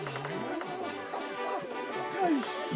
よいしょ。